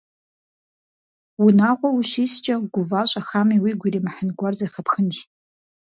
Унагъуэ ущискӏэ, гува щӏэхами уигу иримыхьын гуэр зэхэпхынщ.